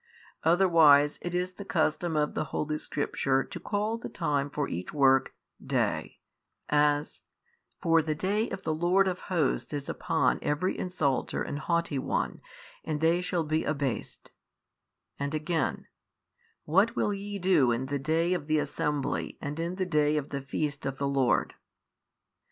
Otherwise, it is the custom of the holy Scripture to call the time for each work, day, as, For the day of the Lord of Hosts is upon every insulter and haughty one and they shall be abased, and again, What will ye do in the day of the assembly and in the day of the feast of the Lord?